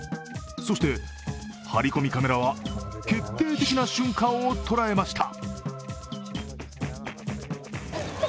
そして、ハリコミカメラは決定的な瞬間を捉えました。